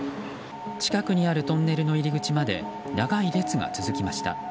近くにあるトンネルの入り口まで長い列が続きました。